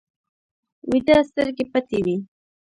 ویده سترګې پټې وي